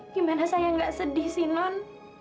gimana saya nggak sedih sih non